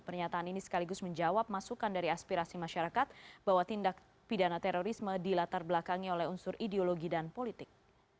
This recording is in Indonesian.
pernyataan ini sekaligus menjawab masukan dari aspirasi masyarakat bahwa tindak pidana terorisme dilatar belakangi oleh unsur ideologi dan politik